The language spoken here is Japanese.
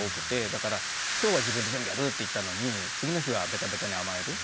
だから「今日は自分で全部やる！」って言ったのに次の日はベタベタに甘える。